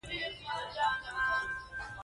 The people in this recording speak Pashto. شرکت مالیات ورکولی شي.